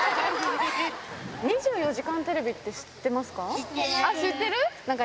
２４時間テレビって知ってますか？